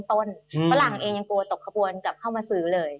ฝรั่งเองยังกลัวตกขบวนกลับเข้ามาซื้อเลย